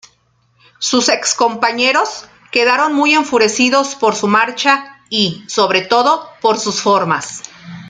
Sus ex-compañeros quedaron muy enfurecidos por su marcha y, sobre todo, por sus formas.